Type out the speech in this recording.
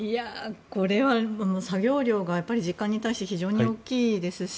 これは作業量が時間に対して非常に大きいですし